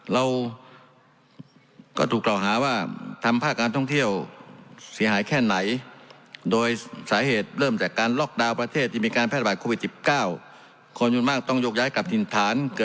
เราก็ถูกบอกหาว่าถำภาคการท่องเที่ยวเสียหายแค่ไหนโดยสาเหตุเริ่มจากการน้ำล็อกออก